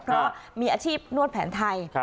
เพราะว่ามีอาชีพนวดแผนไทย